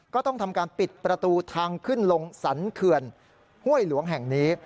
ก็ต้องทำการปิดประตูทางขึ้นลงสรรเขื่อนห้วยหลวงแห่งนี้